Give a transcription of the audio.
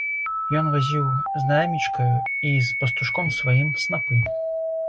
Ён вазіў з наймічкаю і з пастушком сваім снапы.